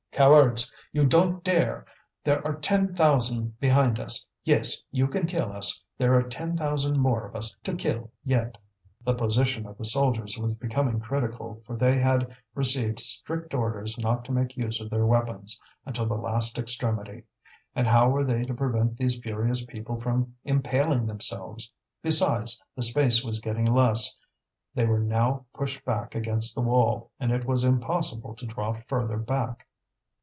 "Cowards, you don't dare! There are ten thousand behind us. Yes, you can kill us; there are ten thousand more of us to kill yet." The position of the soldiers was becoming critical, for they had received strict orders not to make use of their weapons until the last extremity. And how were they to prevent these furious people from impaling themselves? Besides, the space was getting less; they were now pushed back against the wall, and it was impossible to draw further back.